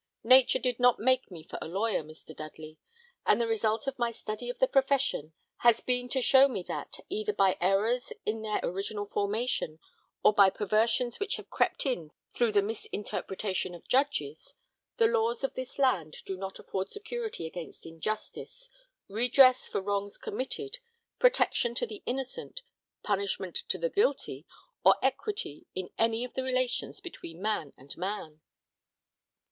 Nature did not make me for a lawyer, Mr. Dudley; and the result of my study of the profession has been to show me that, either by errors in their original formation, or by perversions which have crept in through the misinterpretation of judges, the laws of this land do not afford security against injustice, redress for wrongs committed, protection to the innocent, punishment to the guilty, or equity in any of the relations between man and man.